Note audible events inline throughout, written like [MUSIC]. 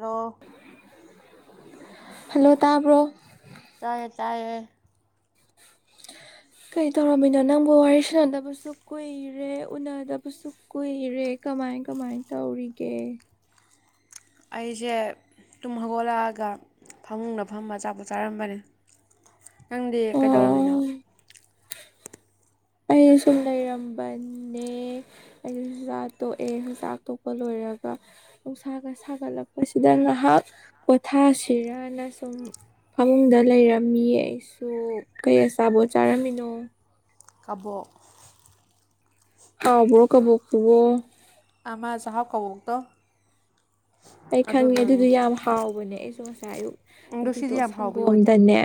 ꯔꯣ ꯍꯜꯂꯣ ꯇꯥꯕ꯭ꯔꯣ ꯇꯥꯏꯌꯦ ꯇꯥꯏꯌꯦ ꯀꯩ ꯇꯧꯔꯝꯃꯤꯅꯣ ꯅꯪꯕꯨ ꯋꯥꯔꯤ ꯁꯥꯟꯅꯗꯕꯁꯨ ꯀꯨꯏꯔꯦ ꯎꯅꯗꯕꯁꯨ ꯀꯨꯏꯔꯦ ꯀꯃꯥꯏ ꯀꯃꯥꯏ ꯇꯧꯔꯤꯒꯦ ꯑꯩꯁꯦ ꯇꯨꯝ ꯍꯧꯒꯠꯂꯛꯑꯒ ꯐꯃꯨꯡꯅ ꯐꯝꯕ ꯑꯆꯥꯄꯣꯠ ꯆꯥꯔꯝꯕꯅꯤ ꯅꯪꯗꯦ ꯀꯩꯗꯧꯔꯝꯃꯤꯅꯣ ꯑꯣ ꯑꯩ ꯁꯨꯝ ꯂꯩꯔꯝꯕꯅꯦ ꯑꯩꯁꯨ ꯆꯥꯛ ꯇꯣꯛꯑꯦ ꯆꯥꯛ ꯇꯣꯛꯄ ꯂꯣꯏꯔꯒ ꯅꯨꯡꯁꯥꯒ ꯁꯥꯒꯠꯂꯛꯄꯁꯤꯗ ꯉꯥꯏꯍꯥꯛ ꯄꯣꯊꯥꯁꯤꯔꯅ ꯁꯨꯝ ꯐꯃꯨꯡꯗ ꯂꯩꯔꯝꯃꯤ ꯑꯩꯁꯨ ꯀꯩ ꯑꯆꯥꯕꯣꯠ ꯆꯥꯔꯝꯃꯤꯅꯣ ꯀꯥꯕꯣꯛ ꯍꯥꯎꯕ꯭ꯔꫭ ꯀꯕꯣꯛꯇꯨꯕꫭ ꯀꯕꫭꯛꯇꫭ ꯑꯩ ꯈꯪꯉꯦ ꯑꯗꯨꯗꯨ ꯌꯥꯝ ꯍꯥꯎꯕꯅꯦ ꯑꯩꯁꯨ ꯑꯌꯨꯛꯇ ꯑꯗꯣ ꯁꯤꯗꯤ ꯑꯗꯨꯗꯣ ꯌꯥꯝ ꯍꯥꯎꯕꯤ ꯑꯣꯏꯗꯦ ꯁꯪꯒꯣꯝꯗꯅꯦ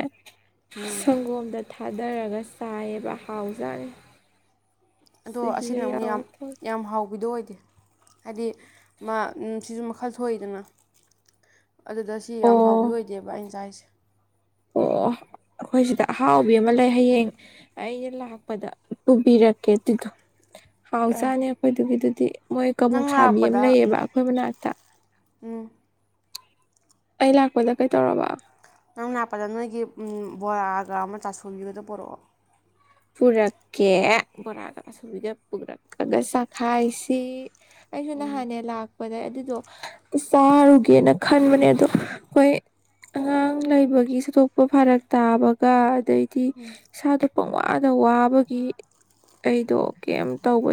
ꯎꯝ ꯁꯪꯒꯣꯝꯗ ꯊꯥꯗꯔꯒ ꯆꯥꯏꯌꯦꯕ ꯍꯥꯎꯖꯥꯠꯅꯤ ꯑꯗꯣ ꯆꯨꯍꯤꯒ ꯑꯁꯤꯅ ꯑꯃꯨꯛ ꯌꯥꯝ ꯌꯥꯎꯔ ꯇꯧ ꯌꯥꯝ ꯍꯥꯎꯕꯤꯗꯣ ꯑꯣꯏ ꯗꯦ ꯍꯥꯏꯗꯤ ꯃꯥ ꯎꯝ ꯁꯤꯁꯨ ꯃꯈꯜ ꯊꯣꯛꯏꯗꯅ ꯑꯗꯨꯗ ꯁꯤ ꯌꯥꯝ ꯑꯣ ꯍꯥꯎꯕꯤ ꯑꯣꯏꯗꯦꯕ ꯑꯩꯅ ꯆꯥꯛ ꯍꯥꯏꯁꯦ ꯑꯣ ꯑꯩꯈꯣꯏ ꯁꯤꯗ ꯑꯍꯥꯎꯕꯤ ꯑꯃ ꯂꯩ ꯍꯌꯦꯡ ꯑꯩꯅ ꯂꯥꯛꯄꯗ ꯄꯨꯕꯤꯔꯛꯀꯦ ꯑꯗꯨꯗꯣ ꯑꯦ ꯍꯥꯎꯖꯥꯅꯦ ꯑꯩꯈꯣꯏꯗꯨꯒꯤꯗꯨ ꯇꯤ ꯃꯣꯏ ꯅꯪ ꯀꯕꫭꯛꯁꯥꯕꯤ ꯑꯃ ꯂꯥꯛꯄꯗ ꯂꯩꯌꯦꯕ ꯑꯩꯈꯣꯏ ꯃꯅꯥꯛꯇ ꯎꯝ ꯑꯩ ꯂꯥꯛꯄꯗ ꯀꯩ ꯇꯧꯔꯕ ꯅꯪ ꯂꯥꯛꯄꯗ ꯅꯣꯏꯒꯤ ꯕꯣꯔꯥꯒ ꯑꯃ ꯆꯥꯁꯨꯕꯤꯒꯗꯨ ꯄꯣꯔꯛꯑꯣ ꯄꯨꯔꯛꯀꯦ ꯕꯣꯔꯥꯒ ꯑꯁꯨꯕꯤꯗ ꯄꯨꯔꯛꯑꯒ ꯆꯥꯈꯥꯏꯁꯤ ꯑꯩꯁꯨꯨ ꯎꯝ ꯅꯍꯥꯟꯅꯦ ꯂꯥꯛ ꯄꯗ ꯑꯗꯨꯗꯣ ꯆꯥꯔꯨꯒꯦꯅ ꯈꯟꯕꯅꯦ ꯑꯗꯣ ꯍꯣꯏ ꯑꯉꯥꯡ ꯂꯩꯕꯒꯤ ꯆꯠꯇꯣꯛꯄ ꯐꯔꯛ ꯇꯥꯕꯒ ꯑꯗꯩꯗꯤ ꯏꯁꯥꯗ ꯋꯥꯗ ꯋꯥꯕꯒꯤ ꯑꯩꯗꯣ ꯀꯩꯝ ꯇꯧꯕ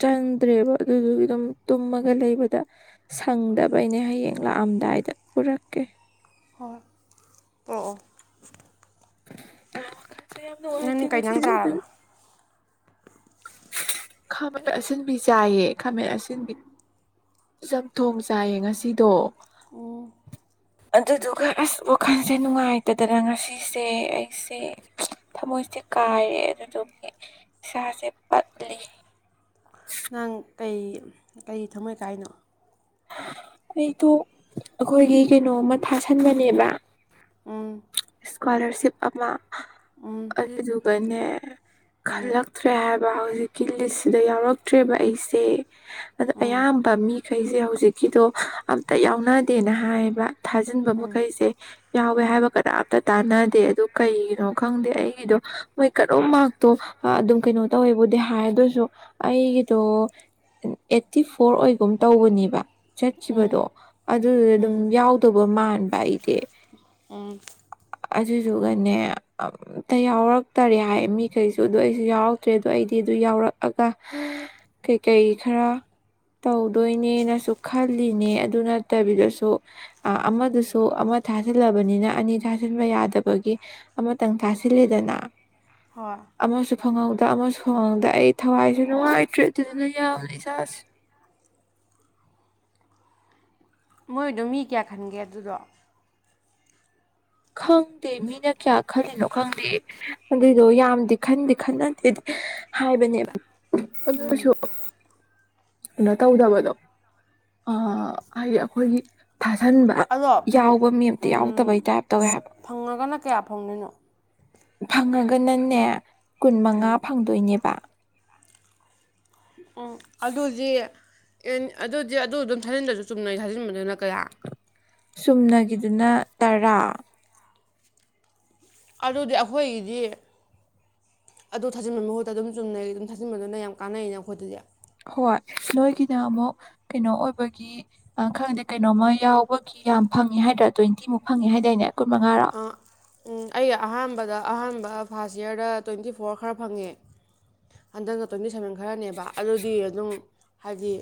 ꯆꯟꯗ꯭ꯔꯦꯕ ꯑꯗꯨꯗꯨꯒꯤ ꯑꯗꯨꯝ ꯇꯨꯝꯃꯒ ꯂꯩꯕꯗ ꯁꯪꯗꯕꯩꯅꯦ ꯍꯌꯦꯡ ꯂꯥꯛꯑꯝꯗꯥꯏꯗ ꯄꯨꯔꯛꯀꯦ ꯍꫭꯏ ꯑꯣ ꯑꫭ [INAUDIBLE] ꯌꯥꯝ ꯅꯨꯡꯉꯥꯏꯇꯦ ꯀꯩ ꯅꯪ ꯉꯁꯤꯗꯤ ꯑꯗꯨꯅ ꯆꯥꯔꯕ ꯈꯥꯃꯦꯟ ꯑꯁꯤꯟꯕꯤ ꯆꯥꯌꯦ ꯈꯥꯃꯦꯟ ꯑꯁꯤꯟꯕꯤ ꯆꯝꯊꯣꯡ ꯆꯥꯏꯌꯦ ꯉꯁꯤꯗꯣ ꯎꯝ ꯑꯗꯨꯗꯨꯒ ꯑꯁ ꯋꯥꯈꯜꯁꯦ ꯅꯨꯡꯉꯥꯏꯇꯗꯅ ꯉꯁꯤꯁꯦ ꯑꯩꯁꯦ ꯊꯃꯣꯏꯁꯦ ꯀꯥꯏꯔꯦ ꯑꯗꯨꯗꯨꯒꯤ ꯏꯁꯥꯁꯦ ꯄꯠꯂꯤ ꯅꯪ ꯀꯩ ꯀꯩꯒꯤ ꯊꯝꯃꯣꯏ ꯀꯥꯏꯅꯣ ꯑꯩꯗꯣ ꯑꯩꯈꯣꯏꯒꯤ ꯀꯩꯅꯣꯝꯃ ꯊꯥꯁꯟꯕꯅꯦꯕ ꯎꯝ ꯏꯁꯀꯣꯂꯔꯁꯤꯞ ꯑꯃ ꯎꯝ ꯑꯗꯨꯗꯨꯒꯅꯦ ꯎꯝ [UNINTELLIGIBLE] ꯎꯝ ꯈꯜꯂꯛꯇ꯭ꯔꯦ ꯍꯥꯏꯕ ꯍꯧ ꯍꯧꯖꯤꯛꯀꯤ ꯂꯤꯁꯁꯤꯗ ꯌꯥꯎꯔꯛꯇ꯭ꯔꯦꯕ ꯑꯩꯁꯦ ꯑꯣ ꯎꯝ ꯑꯌꯥꯝꯕ ꯃꯤ ꯀꯩꯁꯦ ꯍꯧꯦ ꯍꯧꯖꯤꯛꯀꯤꯗꯣ ꯑꯝꯇ ꯌꯥꯎꯅꯗꯦꯅ ꯍꯥꯏꯌꯦꯕ ꯊꯥꯖꯤꯟꯕ ꯃꯈꯩꯁꯦ ꯌꯥꯎꯋꯦ ꯍꯥꯏꯕ ꯀꯅꯥꯝꯇ ꯇꯥꯟꯅꯗꯦ ꯑꯗꯨ ꯀꯩꯒꯤꯅꯣ ꯈꯪꯗꯦ ꯑꯩꯒꯤꯗꯣ ꯃꯣꯏ ꯀꯔꯝ ꯃꯥꯔꯛꯇꯣ ꯑꯗꯨꯝ ꯀꯩꯅꯣ ꯇꯧꯋꯦꯕꯨꯗꯤ ꯍꯥꯏꯗꯁꯨ ꯑꯩꯒꯤꯗꯣ ꯑꯩꯠꯇꯤ ꯐꯣꯔ ꯑꯣꯏꯒꯨꯝ ꯇꯧꯕꯅꯦꯕ ꯆꯠꯈꯤꯕꯗꯣ ꯑꯗꯨ ꯑꯗꯨꯝ ꯎꯝ ꯌꯥꯎꯗꯕ ꯃꯥꯜꯂꯦ ꯏꯗꯤ ꯑ ꯑꯗꯨꯗꯨꯒꯅꯦ ꯑꯝꯇ ꯌꯥꯎꯔꯛꯇꯔꯦ ꯍꯥꯏ ꯃꯤꯈꯩꯁꯨ ꯑꯗꯨꯗ ꯑꯩꯁꯨ ꯌꯥꯎꯔꯛꯇ꯭ꯔꯦ ꯑꯗꯣ ꯑꯩꯗꯤ ꯑꯗꯨ ꯌꯥꯎꯔꯛꯑꯒ ꯀꯩꯀꯩ ꯈꯔ ꯇꯧꯗꯣꯣꯏꯅꯦꯅꯁꯨꯨꯛ ꯁꯤꯜꯂꯤꯅꯦ ꯑꯗꯨ ꯅꯠꯇꯕꯤꯗꯁꯨ ꯑꯃꯗꯨꯁꯨ ꯑꯃ ꯊꯥꯖꯤꯜꯂꯕꯅꯤꯅ ꯑꯅꯤ ꯊꯥꯖꯤꯟꯕ ꯌꯥꯗꯕꯒꯤ ꯑꯃꯇꯪ ꯊꯥꯁꯤꯂꯦꯗꯅ ꯍꯣꯏꯣꯏ ꯐꯪꯍꯧꯗ ꯑꯃꯁꯨ ꯐꯪꯍꯧꯗ ꯑꯩ ꯊꯋꯥꯏꯁꯨ ꯅꯨꯡꯉꯥꯏꯇ꯭ꯔꯦ ꯑꯗꯨꯗꯨꯅ ꯌꯥꯝ ꯏꯁꯥꯁꯦ ꯃꯣꯏꯗꯣ ꯃꯤ ꯀꯌꯥ ꯈꯟꯒꯦ ꯑꯗꯨꯗꯣ ꯈꯪꯗꯦ ꯃꯤꯅ ꯀꯌꯥ ꯈꯜꯂꯤꯅꯣ ꯈꯪꯗꯦ ꯑꯗꯨꯏꯗꯣ ꯌꯥꯝꯗꯤ ꯈꯟꯗꯤ ꯈꯟꯅꯗꯦꯗꯤ ꯍꯥꯏꯕꯅꯦꯕ ꯑꯗꯨꯑꫭꯏꯁꯨ ꯎꯝ ꯩꯅ ꯇꯧꯗꯕꯗꯣ ꯍꯥꯏꯗꯤ ꯑꯩꯈꯣꯏꯒꯤ ꯐꯥꯁꯟꯕ ꯑꯗꯣ ꯐꯪ ꯌꯥꯎꯕ ꯃꯤ ꯑꯝꯇ ꯌꯥꯎꯗꯕꯩ ꯎꯝ ꯇꯥꯏꯞ ꯇꯧꯋꯦ ꯍꯥꯏꯕ ꯐꯪꯉꯒꯅ ꯀꯌꯥ ꯐꯪꯗꯅꯣ ꯐꯪꯉꯒꯅꯅꯦꯦ ꯀꯨꯟ ꯃꯉꯥ ꯐꯪꯗꯣꯏꯅꯦꯕ ꯎꯝ ꯑꯗꯨꯗꯤ ꯑꯦ ꯑꯗꯨꯗꯤ ꯑꯗꯨ ꯑꯗꯨꯝ ꯊꯥꯖꯤꯟꯗ꯭ꯔꯁꯨ ꯆꯨꯝꯅꯩ ꯊꯥꯖꯤꯟꯕꯗꯨꯅ ꯀꯌꯥ ꯆꯨꯝꯅꯒꯤꯗꯨꯅ ꯇꯔꯥ ꯑꯗꯨꯗꯤ ꯑꯩꯈꯣꯏꯒꯤꯗꯤ ꯑꯗꯨ ꯊꯥꯖꯤꯟꯕꯒꯤ ꯃꯍꯨꯠꯇ ꯑꯗꯨꯝ ꯆꯨꯝꯅꯩ ꯑꯗꯨꯝ ꯊꯥꯖꯤꯟꯕꯗꯨꯅ ꯌꯥꯝ ꯀꯥꯟꯅꯩꯅꯦ ꯑꯩꯈꯣꯏꯗꯗꯤ ꯍꯣꯏ ꯅꯣꯏꯒꯤꯗ ꯑꯃꯨꯛ ꯀꯩꯅꯣ ꯑꯣꯏꯕꯒꯤ ꯈꯪꯗꯦ ꯀꯩꯅꯣꯃ ꯌꯥꯎꯕꯒꯤ ꯌꯥꯝ ꯐꯪꯉ ꯍꯥꯏꯗ꯭ꯔꯥ ꯇ꯭ꯋꯦꯟꯇꯤꯃꯨꯛ ꯐꯪꯉꯦ ꯍꯥꯏꯗꯏꯅꯦ ꯑ ꯎꯝ ꯑꯩꯒꯤ ꯑꯍꯥꯟꯕꯗ ꯑꯍꯥꯟꯕ ꯐꯥꯔꯥꯁ ꯌꯔꯗ ꯇ꯭ꯋꯦꯟꯇꯤ ꯐꯣꯔ ꯈꯔ ꯐꯪꯉꯦ ꯍꯟꯗꯛꯅ ꯇ꯭ꯋꯦꯟꯇꯤ ꯁꯕꯦꯟ ꯈ ꯈꯔꯅꯦꯕ ꯑꯗꯨꯗꯤ ꯑꯗꯨꯝ ꯍꯥꯏꯗꯤ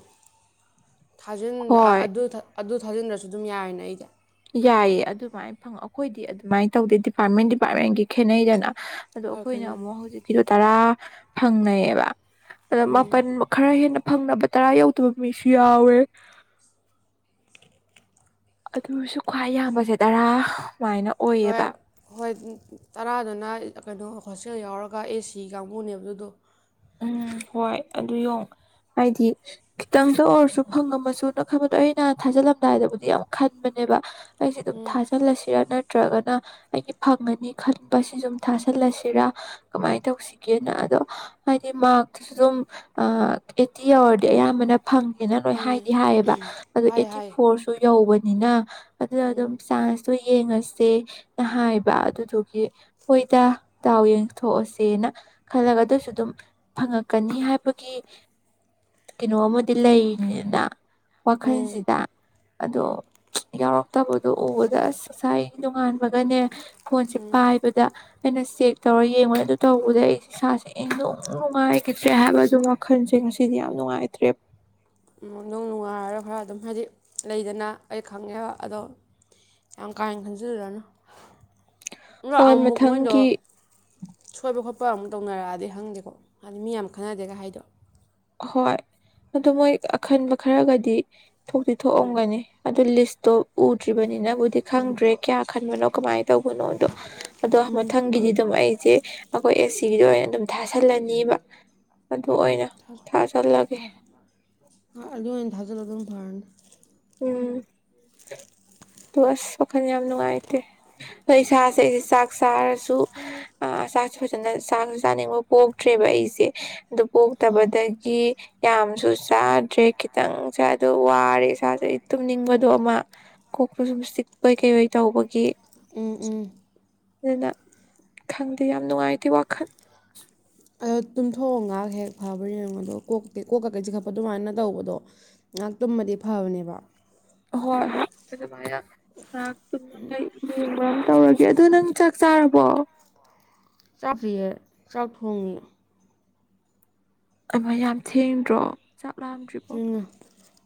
ꯍꯣꯏ ꯊꯥꯖꯤꯟꯕ꯭ꯔ ꯊꯥꯖꯤꯟꯔꯁꯨ ꯑꯗꯨꯝ ꯌꯥꯔꯅꯦ ꯑꯩꯁꯦ ꯌꯥꯏꯌꯦ ꯑꯗꯨꯃꯥꯏꯅ ꯐꯪꯉ ꯑꯩꯈꯣꯏꯗꯤ ꯑꯗꯨꯃꯥꯏꯅ ꯇꯧꯗꯦ ꯗꯤꯄꯥꯔꯠꯃꯦꯟ ꯗꯤꯄꯥꯔꯠꯃꯦꯟꯒꯤ ꯈꯦꯠꯅꯩꯗꯅ ꯑꯗꯣ ꯍꯣꯏ ꯑꯩꯈꯣꯏꯅ ꯀꯩꯅꯣ ꯑꯃꯨꯛ ꯍꯧꯖꯤꯛꯀꯤ ꯇꯔꯥ ꯐꯪꯅꯩꯌꯦꯕ ꯑꯗ ꯃꯥꯄꯜ ꯈꯔ ꯍꯦꯟꯅ ꯐꯪꯅꯕ ꯇꯔꯥ ꯌꯧꯗꯕ ꯃꯤꯁꯨ ꯌꯥꯎꯋꯦ ꯑꯗꯨꯁꯨ ꯈ꯭ꯋꯥꯏ ꯌꯥꯝꯕꯁꯦ ꯇꯔꯥ ꯁꯨꯃꯥꯏꯅ ꯍꯣꯏ ꯑꯣꯏꯌꯦꯕ ꯍꯣꯏ ꯇꯔꯥꯗꯨꯅ ꯀꯩꯅꯣ ꯍꯣꯁꯇꯦꯜ ꯌꯥꯎꯔꯒ ꯑꯦ ꯁꯤ ꯀꯥꯡꯕꯨꯅꯦꯕ ꯑꯗꯨꯗꯣ ꯎꯝ ꯍꯣꯏ ꯑꯗꯨ ꯌꯣꯡ ꯑꯩꯗꯤ ꯈꯤꯇꯪꯗ ꯑꯣꯏꯔꯁꯨ ꯐꯪꯉꯝꯃꯁꯨ ꯅ ꯈꯟꯕꯗꯣ ꯑꯩꯅ ꯊꯥꯖꯤꯜꯂꯝꯗꯥꯏꯗꯕꯨꯗꯤ ꯌꯥꯝ ꯈꯟꯕꯅꯦꯕ ꯑꯩꯁꯦ ꯑꯗꯨꯝ ꯊꯥꯖꯤꯜꯂꯁꯤꯔ ꯅ ꯅꯠꯇ꯭ꯔꯒꯅ ꯑꯩꯒꯤ ꯐꯪꯉꯅꯤ ꯈꯟꯕꯁꯤ ꯁꯨꯝ ꯊꯥꯥꯁꯜꯂꯁꯤꯔ ꯀꯃꯥꯏꯅ ꯇꯧꯁꯤꯒꯦꯅ ꯑꯗꯣ ꯍꯥꯏꯗꯤ ꯃꯥꯛꯇꯨꯁꯨ ꯑꯗꯨꯝ ꯑꯩꯠꯇꯤ ꯌꯥꯎꯔꯗꯤ ꯑꯌꯥꯝꯕꯅ ꯐꯪꯉꯦꯅ ꯅꯣꯏ ꯈꯪꯉꯦ ꯍꯥꯏꯗꯤ ꯍꯥꯏꯌꯦꯕ ꯑꯗꯨ ꯍꯥꯏ ꯑꯩꯠꯇꯤ ꯍꯥꯏ ꯐꯣꯔꯁꯨ ꯌꯧꯕ ꯅꯤꯅ ꯑꯗꯨꯗ ꯑꯗꯨꯝ ꯆꯥꯟꯁꯇꯣ ꯌꯦꯡ ꯌꯦꯡꯉꯁꯦ ꯅ ꯍꯥꯏꯕ ꯑꯗꯨꯗꯨꯒꯤ ꯍꯣꯏꯗ ꯗꯥꯎ ꯌꯦꯡꯊꯣꯛꯑꯁꯦꯅ ꯈꯜꯂꯒ ꯑꯗꯨꯁꯨ ꯑꯗꯨꯝ ꯐꯪꯉꯛꯀꯅꯤ ꯍꯥꯏꯕꯒꯤ ꯀꯩꯅꯣ ꯑꯃꯗꯤ ꯂꯩꯔꯤꯅꯤꯅ ꯋꯥꯈꯜꯁꯤꯗ ꯑꯗꯣ ꯌꯥꯎꯔꯛ ꯇꯕꯗꯣ ꯎꯕꯗ ꯑꯁ ꯉꯁꯥꯏ ꯅꯣꯡꯉꯥꯟꯕꯒꯅꯦ ꯐꯣꯟꯁꯦ ꯄꯥꯏꯕꯗ ꯑꯩꯅ ꯆꯦꯛ ꯇꯧꯔ ꯌꯦꯡꯕꯅꯦ ꯑꯗꯨ ꯇꯧꯕꯗꯩꯩ ꯑꯩꯁꯦ ꯏꯁꯥꯁꯦ ꯏꯅꯨꯡ ꯅꯨꯡꯉꯥꯏꯈꯤꯗ꯭ꯔꯦ ꯍꯥꯏꯕ ꯑꯗꯨ ꯋꯥꯈꯜꯁꯦ ꯉꯁꯤꯗꯤ ꯌꯥꯝ ꯅꯨꯡꯉꯥꯏꯇ꯭ꯔꯦ ꯅꯨꯡ ꯅꯨꯡꯉꯥꯏꯔꯔꯣꯏ ꯈꯔ ꯑꯗꯨꯝ ꯍꯥꯏꯗꯤ ꯂꯩꯗꯅ ꯑꯩ ꯈꯪꯉꯦꯕ ꯑꯗꯣ ꯌꯥꯝ ꯀꯥꯍꯦꯟꯅ ꯈꯟꯖꯜꯂꯨꯔꯅꯨ ꯍꯣꯏ ꯑꯃꯨ ꯃꯨꯛ ꯅꯣꯏꯗꯣ ꯃꯊꯪꯒꯤ ꯁꯣꯏꯕ ꯈꯣꯠꯄ ꯄꯥ ꯑꯃꯨꯛ ꯇꯧꯅꯔꯛꯑꯗꯤ ꯍꯪꯗꯦꯀꯣ ꯍꯥꯏꯗꯤ ꯃꯤ ꯌꯥꯝ ꯈꯟꯅꯗꯦꯒ ꯍꯥꯏꯗꯣ ꯍꯣꯏ ꯑꯗꯣ ꯃꯣꯏ ꯑꯈꯟꯕ ꯈꯔꯒꯗꯤ ꯊꯣꯛꯇꯤ ꯊꯣꯛꯑꯝꯒꯅꯤ ꯑꯗꯨ ꯂꯤꯁꯇꯣ ꯎꯗ꯭ꯔꯤꯕꯅꯤꯅꯕꯨꯗꯤ ꯈꯪꯗ꯭ꯔꯦ ꯀꯌꯥ ꯈꯟꯕꯅꯣ ꯀꯃꯥꯏꯅ ꯇꯧꯕꯅꯣꯗꯣ ꯑꯗꯣ ꯃꯊꯪꯒꯤꯗꯤ ꯑꯗꯨꯝ ꯑꯩꯁꯦ ꯑꯩꯈꯣꯏ ꯑꯦ ꯁꯤꯒꯤꯗ ꯑꯣꯏꯅ ꯑꯗꯨꯝ ꯊꯥꯥꯁꯜꯂꯅꯤꯕ ꯑꯗꯨ ꯑꯣꯏꯅ ꯊꯖ ꯊꯥꯖꯤꯜꯂꯒꯦ ꯊ ꯍꯣꯏ ꯑꯗꯨ ꯑꯣꯏꯅ ꯊꯖ ꯑꯗꯨꯅꯗꯨꯝ ꯐꯔꯅꯤ ꯎꯝ ꯑꯁ ꯋꯥꯈꯜ ꯌꯥꯝ ꯅꯨꯡꯉꯥꯏꯇꯦ ꯑꯩ ꯏꯁꯥꯁꯦ ꯑꯩꯁꯦ ꯆꯥꯛ ꯆꯥꯔꯁꯨ ꯑ ꯆꯥꯛꯁꯨ ꯐꯖꯅ ꯆꯥꯛꯁꯨ ꯆꯥꯅꯤꯡꯕ ꯄꯣꯛꯇ꯭ꯔꯦꯕ ꯑꯩꯁꯦ ꯑꯗꯨ ꯍꯣꯏ ꯄꯣꯛꯇꯕꯗꯒꯤ ꯌꯥꯝꯁꯨ ꯆꯥꯗ꯭ꯔꯦ ꯈꯤꯇꯪ ꯆꯥꯗꯣ ꯋꯥꯔꯦ ꯏꯁꯥꯁꯦ ꯇꯨꯝꯅꯤꯡꯕꯗꯣ ꯑꯃ ꯀꯣꯛꯇꯨ ꯁꯨꯝ ꯏꯁꯤꯛꯄꯣꯏ ꯀꯩꯕꯣꯏ ꯇꯧꯕꯒꯤ ꯎꯝ ꯎꯝ ꯑꯗꯨꯅ ꯈꯪꯗꯦ ꯌꯥꯝ ꯅꯨꯡꯉꯥꯏꯇꯦ ꯋꯥꯈꯜ ꯑꯗꯣ ꯇꯨꯝꯊꯣꯛꯑꯣ ꯉꯥꯏꯍꯥꯛ ꯍꯦꯛ ꯐꯕ꯭ꯔꯥ ꯌꯦꯡꯉꯣꯗꯣ ꯀꯣꯛꯀ ꯀꯣꯛ ꯀꯛꯀꯩꯁꯤ ꯈꯛꯄ ꯑꯗꯨꯃꯥꯏꯅ ꯇꯧꯕꯗꯣ ꯉꯥꯏꯍꯥꯛ ꯇꯨꯝꯃꯗꯤ ꯐꯕꯅꯦꯕ ꯍꯣꯏ ꯑꯗꯨꯃꯥꯏꯅ ꯉꯥꯛ ꯇꯨꯝꯃꯒꯥ ꯌꯦꯡꯕ ꯑꯃ ꯇꯧꯔꯒꯦ ꯑꯗꯨ ꯅꯪ ꯆꯥꯛ ꯆꯥꯔꯕꯣ ꯆꯥꯛꯄꯤꯍꯦ ꯆꯥꯛ ꯊꯣꯡꯉꯤ ꯑꯃ ꯌꯥꯝ ꯊꯦꯡꯗ꯭ꯔꯣ ꯆꯥꯛꯂꯝꯥꯛꯑꯝꯗ꯭ꯔꯤꯕꯣ ꯊꯦꯡꯅ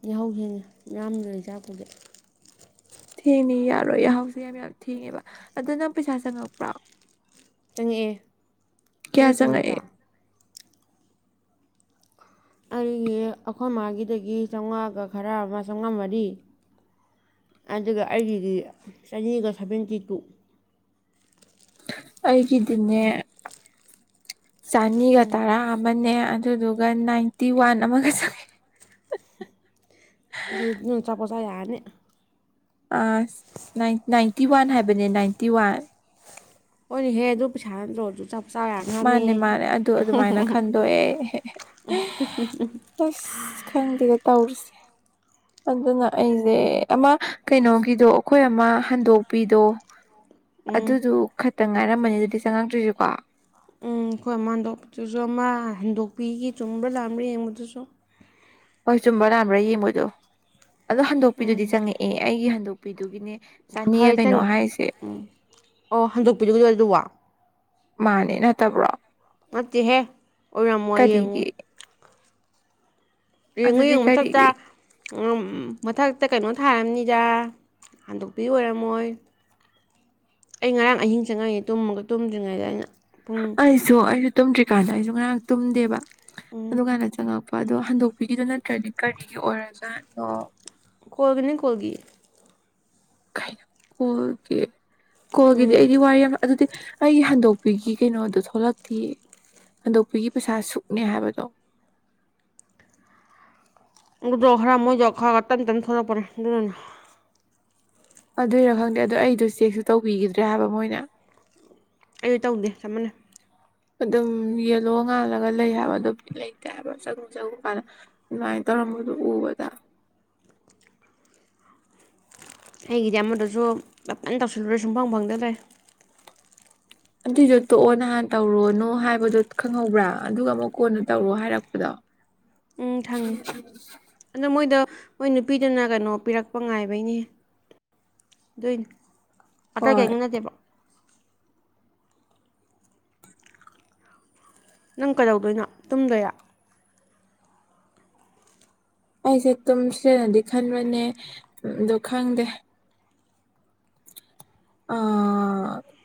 ꯌꯥꯍꯧ ꯍꯦ ꯌꯥꯝꯅ ꯂꯩ ꯆꯥꯛꯄꯁ ꯊꯦꯡꯅꯤ ꯌꯥꯔꯣꯏ ꯌꯥꯍꯥꯎꯁꯦ ꯌꯥꯝ ꯌꯥꯝ ꯊꯦꯡꯉꯦꯕ ꯑꯗ ꯅꯪ ꯄꯩꯁꯥ ꯆꯪꯉꯛꯄ꯭ꯔꯣ ꯆꯪꯉꯛꯑꯦ ꯀꯌꯥ ꯅꯪ ꯆꯪꯉꯛꯑꯦ ꯆꯪꯉꯛꯄ꯭ꯔꯥ ꯑꯩꯒꯤ ꯑꯩꯈꯣꯏ ꯃꯥꯒꯤꯗꯒꯤ ꯆꯥꯝꯃꯉꯥꯒ ꯈꯔ ꯑꯃ ꯆꯥꯝꯃꯉꯥ ꯃꯔꯤ ꯑꯗꯨꯒ ꯑꯩꯒꯤꯗꯤ ꯆꯅꯤꯒ ꯁꯚꯦꯟꯇꯤ ꯇꯨ ꯑꯩꯒꯤꯗꯤꯅꯦ ꯆꯅꯤꯒ ꯇꯥꯔ ꯃꯅꯦ ꯑꯗꯨꯗꯨꯒ ꯅꯥꯏꯟꯇꯤ ꯋꯥꯟ ꯑꯃꯒ ꯆꯪꯉꯦ ꯆꯄꯁ ꯌꯥꯅꯤ ꯑ ꯅꯥꯏꯟꯇꯤ ꯋꯥꯟ ꯍꯥꯏꯕꯅꯦ ꯅꯥꯏꯟꯇꯤ ꯋꯥꯟ ꯍꯅꯦ ꯍꯦ ꯑꯗꯨ ꯄꯩꯁꯥ ꯅꯠꯇꯧꯣꯁꯨ ꯆꯄ ꯃꯥꯅꯦ ꯃꯥꯅꯦ ꯑꯗꯨ ꯑꯗꯨꯃꯥꯏꯅ ꯈꯟꯗꯣꯛꯑꯦ ꯑꯁ ꯈꯪꯗꯦ ꯇꯧꯔꯤꯁꯦ ꯑꯗꯨꯅ ꯑꯩꯁꯦ ꯑꯃ ꯀꯩꯅꯣꯒꯤꯗꯣ ꯑꯩꯈꯣꯏ ꯑꯃ ꯍꯟꯗꯣꯛꯄꯤꯗꯣ ꯎꯝ ꯑꯗꯨꯗꯨ ꯈꯛꯇ ꯉꯥꯏꯔꯝꯕꯅꯤ ꯑꯗꯨꯗꯤ ꯆꯪꯉꯛꯇ꯭ꯔꯤꯁꯤꯀꯣ ꯑꯩꯈꯣꯏ ꯃ ꯍꯟꯗꯣꯛꯄꯗꯨꯁꯨ ꯑꯃ ꯍꯦꯟꯗꯣꯛꯄꯤꯒꯤ ꯆꯨꯝꯕ꯭ꯔꯥ ꯂꯥꯝꯕ꯭ꯔꯥ ꯌꯦꯡꯕꯗꯨꯁꯨ ꯍꯣꯏ ꯆꯨꯝꯕ ꯂꯥꯥꯟꯕ꯭ꯔꯥ ꯌꯦꯡꯉꯨꯗꯣ ꯑꯗꯣ ꯍꯟꯗꯣꯛꯄꯤꯗꯨꯗꯤ ꯆꯪꯉꯛꯑꯦ ꯑꯩꯒꯤ ꯍꯟꯗꯣꯛ ꯅꯨꯄꯤꯗꯨꯒꯤꯅꯦ ꯍꯣꯏ ꯆꯪ ꯑꯣ ꯍꯟꯗꯣꯛꯄꯤꯔꯒꯗ ꯑꯗꯨ ꯋꯥ ꯃꯥꯅꯦ ꯅꯠꯇꯕ꯭ꯔꯣ ꯅꯠꯇꯍꯦ ꯑꯣꯏꯔꯝꯃ ꯌꯦꯡꯉꯨ ꯀꯔꯤꯒꯤ ꯌꯦꯡꯉꯨ ꯑꯗꯨꯗꯤ ꯌꯦꯡꯉꯨ ꯃꯊꯛꯇ ꯀꯔꯤꯒꯤ ꯃꯊꯛꯇ ꯀꯩꯅꯣ ꯊꯥꯔꯕꯅꯤꯗ ꯍꯟꯗꯣꯛꯄꯤ ꯑꯣꯏꯔꯝꯃꯣꯏ ꯑꯩ ꯉꯔꯥꯡ ꯑꯍꯤꯡ ꯆꯪꯉꯛꯏꯅꯤ ꯇꯨꯝꯃꯒ ꯇꯨꯝꯗ꯭ꯔꯤꯉꯩꯗ ꯑꯩꯅ ꯄꯨꯡ ꯑꯁꯨꯣ ꯑꯩꯁꯨ ꯇꯔꯤ ꯀꯥꯟꯗ ꯑꯩꯁꯨ ꯉꯥꯏꯍꯥꯛ ꯇꯨꯝꯗꯦꯕ ꯎꯝ ꯑꯗꯨ ꯀꯥꯏꯅ ꯆꯪꯉꯛꯄ ꯀ ꯑꯗꯣ ꯍꯟꯗꯣꯛꯄꯤꯔꯤꯗꯣ ꯅꯠꯇ꯭ꯔꯗꯤ ꯀꯔꯤꯒꯤ ꯑꯣꯏꯔꯖꯥꯅꯣ ꯀꯣꯣꯏꯒꯤꯅꯤ ꯀꯣꯜꯒꯤ ꯀꯥꯏꯅ ꯀꯒꯦ ꯀꯣꯒꯤꯗꯤ ꯎꯝ ꯑꯩꯗꯤ ꯋꯥꯔꯤ ꯌꯥꯝ ꯑꯗꯨꯗꯤ ꯑꯩꯒꯤ ꯍꯟꯗꯣꯛꯄꯤꯒꯤ ꯀꯩꯅꯣꯗꯣ ꯊꯣꯛꯂꯛꯇꯦ ꯍꯟꯗꯣꯛꯄꯤꯒꯤ ꯄꯩꯁꯥ ꯁꯨꯛꯅꯦ ꯍꯥꯏꯕꯗꯣ ꯑꯗꯨꯗ ꯈꯔ ꯃꯣꯏꯁꯨ ꯈꯔꯒ ꯇꯞ ꯇꯞ ꯊꯂꯛꯄꯅꯦ ꯑꯗꯨꯗꯨꯅ ꯑꯗꯨꯏꯔ ꯈꯪꯗꯦ ꯑꯗꯨꯗꯣ ꯑꯩꯗ ꯆꯦꯛꯁꯨ ꯇꯧꯕꯤꯈꯤꯗ꯭ꯔꯦ ꯍꯥꯏꯕ ꯃꯣꯏꯅ ꯑꯩꯁꯨ ꯇꯧꯗꯦ ꯆꯞ ꯃꯥꯟꯅꯩ ꯑꯗꯨꯝ ꯌꯦꯜꯂꯣ ꯉꯥꯜꯂꯒ ꯂꯩ ꯍꯥꯏꯕ ꯑꯗꯨꯝꯗꯤ ꯂꯩꯇꯦ ꯍꯥꯏꯕ ꯆꯉꯨ ꯆꯪꯉꯨ ꯀꯥꯟꯗ ꯑꯗꯨꯃꯥꯏꯅ ꯇꯧꯔꯝꯕꯗꯨꯣ ꯎꯕꯗ ꯑꯩꯒꯤꯗꯤ ꯑꯃꯗꯁꯨ ꯐꯥꯏꯅ ꯇꯧꯁꯤꯜꯂꯨꯔꯦ ꯁꯨꯡꯐꯪ ꯐꯪꯗ ꯂꯩ꯭ꯔꯦ ꯑꯗꯨꯏꯗꯣ ꯇꯣꯛꯑꯣ ꯅꯍꯥꯟ ꯇꯧꯔꯣꯅꯣ ꯍꯥꯏꯕꯗꯣ ꯈꯪꯍꯧꯕ꯭ꯔꯥ ꯑꯗꯨꯒ ꯑꯃꯨꯛ ꯀꯣꯟꯗꯣ ꯇꯧꯔꯣ ꯍꯥꯏꯔꯛꯄꯗꯣ ꯎ ꯍꯪꯉꯦ ꯑꯗꯨꯗ ꯃꯣꯏꯗ ꯃꯣꯏ ꯅꯨꯄꯤꯗꯨꯅ ꯀꯩꯅꯣ ꯄꯤꯔꯛꯄ ꯉꯥꯏꯕꯩꯅꯦ ꯑꯗꯨꯏꯅꯦ ꯑꯇꯩ ꯍꯣꯏ ꯀꯅꯠꯇꯦꯕ ꯅꯪ ꯀꯩꯗꯧꯗꯣꯏꯅꯣ ꯇꯨꯝꯗꯣꯏꯌꯥ ꯑꯩꯁꯦ ꯇꯨꯝꯁ꯭ꯔꯦꯅꯗꯤ ꯈꯟꯕꯅꯦꯗ ꯈꯪꯗꯦ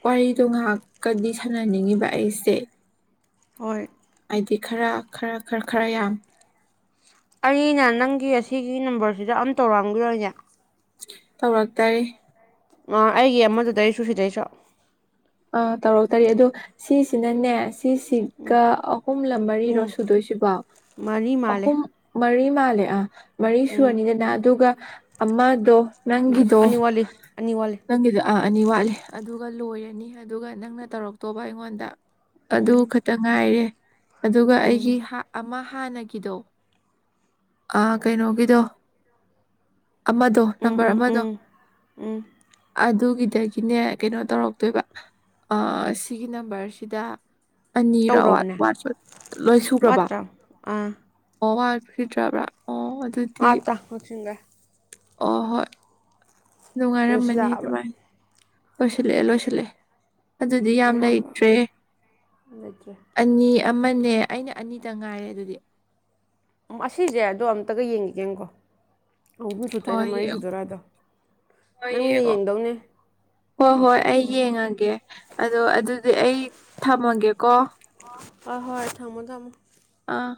ꯋꯥꯔꯤꯗꯣ ꯉꯥꯏꯍꯥꯛꯀꯗꯤ ꯁꯥꯟꯅꯅꯤꯡꯉꯤꯕ ꯑꯩꯁꯦ ꯍꯣꯏ ꯍꯥꯏꯗꯤ ꯈꯔ ꯈꯔ ꯈꯔ ꯈꯔ ꯌꯥꯝ ꯑꯩꯅ ꯅꯪꯒꯤ ꯑꯁꯤꯒꯤ ꯅꯝꯕꯔꯁꯤꯗ ꯑꯝ ꯇꯧꯔꯛꯑꯝꯒꯗꯣꯅꯦ ꯇꯧꯔꯛꯇꯔꯤꯦ ꯑꯩꯒꯤ ꯑꯃꯗꯨꯗꯩꯁꯨ ꯁꯤꯗꯩꯁꯨ ꯇꯧꯔ ꯇꯧꯔꯤꯦ ꯑꯗꯣ ꯁꯤꯁꯤꯅꯅꯦ ꯁꯤꯁꯤꯒ ꯑꯍꯨꯝꯂ ꯃꯔꯤꯔꯣ ꯑꯍꯨꯝ ꯁꯨꯗꯣꯏꯁꯤꯕꯣ ꯃꯔꯤ ꯃꯥꯜꯂꯦ ꯑꯍꯨꯝ ꯃꯔꯤ ꯃꯥ ꯂꯩꯦ ꯑ ꯃꯔꯤ ꯎꯝ ꯁꯨꯕꯅꯤꯗꯅ ꯑꯗꯨꯒ ꯑꯃꯗꯣ ꯑꯗꯣ ꯅꯪꯒꯤꯗꯣ ꯑꯅꯤ ꯋꯥꯠꯂꯤ ꯑꯅꯤ ꯋꯥꯠꯂꯤ ꯅꯪꯒꯤꯗꯣ ꯑꯥ ꯑꯅꯤ ꯋꯥꯠꯂꯤ ꯑꯗꯨ ꯂꯣꯏꯔꯅꯤ ꯑꯗꯨꯒ ꯅꯪꯅ ꯇꯧꯔꯛꯇꯧꯕ ꯑꯩꯉꯣꯟꯗ ꯑꯗꯨ ꯎꯝ ꯈꯛꯇ ꯉꯥꯏꯔꯦ ꯑꯗꯨꯒ ꯎꯝ ꯑꯩꯒꯤ ꯍꯥ ꯑꯃ ꯍꯥꯟꯅꯒꯤꯗꯣ ꯑ ꯀꯩꯅꯣꯒꯤꯗꯣ ꯑꯃꯗꯣ ꯎꯝ ꯅꯝꯕꯔ ꯎꯝ ꯑꯃꯗꯣ ꯎꯝ ꯎꯝ ꯑꯗꯨꯒꯤ ꯑꯗꯨꯗꯒꯤꯅꯦ ꯀꯩꯅꯣ ꯇꯧꯔꯛꯇꯣꯏꯕ ꯁꯤꯒꯤ ꯅꯝꯕꯔꯁꯤꯗ ꯑꯅꯤꯔꯥ ꯇꯧꯔꯕꯅꯦ ꯂꯣꯏ ꯁꯨꯈ꯭ꯔꯕ ꯋꯥꯠꯇ꯭ꯔꯥ ꯑꯣ ꯐꯤꯗ꯭ꯔꯕ꯭ꯔꯥ ꯑꯆꯥꯁꯤꯡꯤꯡꯒ ꯑ ꯍꯣꯏ ꯅꯨꯡꯉꯥꯏꯔꯝꯕꯅꯦ ꯂꯣꯏꯁꯤꯜꯂꯛꯑꯕ ꯑꯗꯨꯃꯥꯏ ꯂꯁꯤ ꯂꯩꯂꯣꯁꯤ ꯂꯩ ꯑꯗꯨꯗꯤ ꯌꯥꯝ ꯑꯌꯥꯝꯕ ꯂꯩꯇ꯭ꯔꯦ ꯂꯩꯇ꯭ꯔꯦ ꯑꯅꯤ ꯑꯃꯅꯦ ꯑꯩꯅ ꯑꯅꯤꯗ ꯉꯥꯏꯔꯦ ꯑꯗꯨꯗꯤ ꯑꯁꯤꯁꯦ ꯑꯗꯣ ꯑꯃꯝꯇꯒ ꯌꯦꯡꯉꯒꯦꯀꯣ ꯍꯣꯏ ꯌꯦꯡꯉꯣ ꯍꯣꯏ ꯅꯪꯅ ꯌꯦꯡꯉꯣ ꯌꯦꯡꯗꯧꯅꯦ ꯍꯣꯏ ꯍꯣꯏ ꯃꯁꯛꯇꯣ ꯑꯩ ꯌꯦꯡꯉꯒꯦ ꯑꯗꯣ ꯑꯗꯨꯗꯤ ꯑꯩ ꯊꯝꯃꯒꯦꯀꯣ ꯍꯣꯏ ꯍꯣꯏ ꯊꯝꯃꯣ ꯊꯝꯃꯣ ꯑꯥ